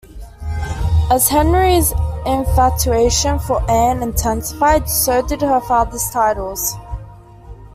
As Henry's infatuation for Anne intensified, so did her father's titles.